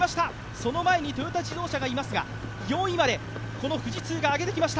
その前にトヨタ自動車がいますが４位までこの富士通が上げてきました。